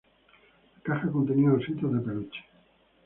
La caja contenía ositos de peluche.